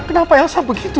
buat apa elsem begitu